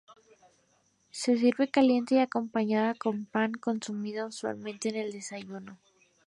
Se sirve caliente y acompañada con pan, consumida usualmente en el desayuno.